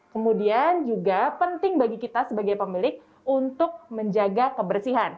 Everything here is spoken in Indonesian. kemudian juga penting bagi kita sebagai pemilik untuk menjaga kebersihan